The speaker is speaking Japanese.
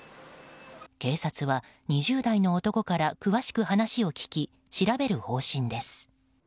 警察は２０代の男から詳しく話を聞き調べる方針です。